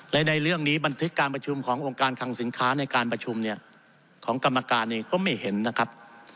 และในเรื่องนี้บันทึกการประชุมขององค์การคังสินค้าในการประชุมเนี่ยของกรรมการเองก็ไม่เห็นนะครับ